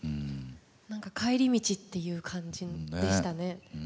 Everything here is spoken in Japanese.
何か帰り道っていう感じでしたね。